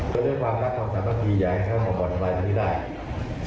ก็ด้วยความรักสามสามคีอย่าให้เขามาบอดทำลายอย่างนี้ได้